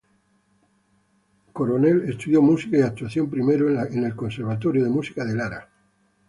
Coronel estudió música y actuación, primero en el "Conservatorio de Música de Lara".